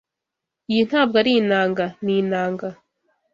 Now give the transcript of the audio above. Iyi ntabwo ari inanga. Ni inanga.